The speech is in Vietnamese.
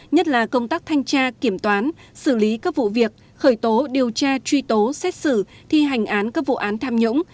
nhất là công tác thanh tra kiểm toán xử lý các vụ việc khởi tố điều tra truy tố xét xử thi hành án các vụ án tham nhũng